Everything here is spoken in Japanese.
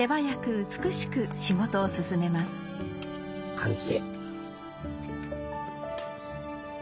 完成。